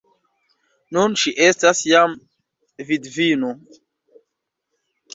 Nun ŝi estas jam vidvino!